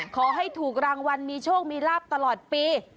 ขอให้ถูกรางวัลมีโชคมีลาบตลอดปี